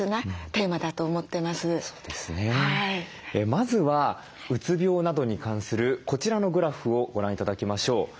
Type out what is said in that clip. まずはうつ病などに関するこちらのグラフをご覧頂きましょう。